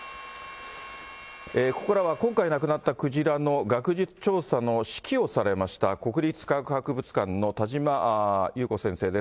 ここからは今回亡くなったクジラの学術調査の指揮をされました、国立科学博物館の田島木綿子先生です。